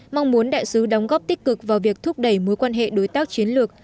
mong muốn đại sứ đóng góp tích cực vào việc thúc đẩy mối quan hệ đối tác chiến lược